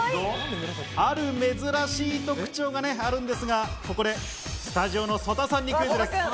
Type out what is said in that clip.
ある珍しい特徴があるのですが、ここでスタジオの曽田さんにクイズです。